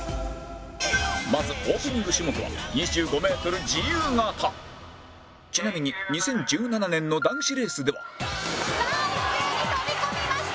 まずオープニング種目はちなみに２０１７年の男子レースではさあ一斉に飛び込みました。